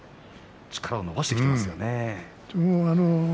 力を伸ばしていますよね。